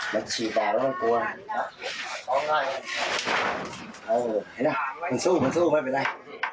มันสู้ไม่เป็นไร